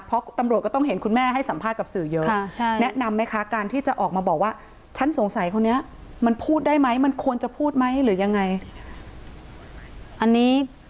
เพราะตำรวจก็ต้องเห็นคุณแม่ให้สัมภาษณ์กับสื่อเยอะค่ะใช่